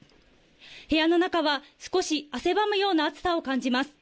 部屋の中は少し汗ばむような暑さを感じます。